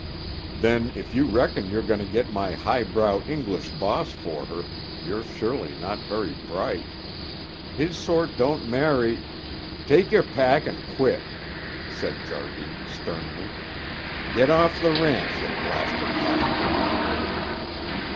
"Then, if you reckon you're going to get my highbrow English boss for her, you're surely not very bright. His sort don't marry " "Tak' your pack and quit," said Jardine sternly. "Get off the ranch, ye blasted half breed!"